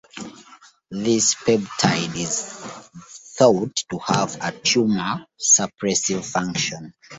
This peptide is thought to have a tumor-suppressive function.